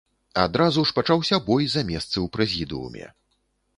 Адразу ж пачаўся бой за месцы ў прэзідыуме.